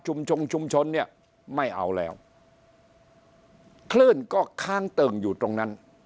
ชุมชนเนี่ยไม่เอาแล้วคลื่นก็ค้างตึงอยู่ตรงนั้น